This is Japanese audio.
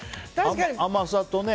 甘さとね。